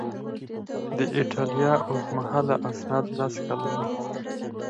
د ایټالیا اوږدمهاله اسناد لس کلونه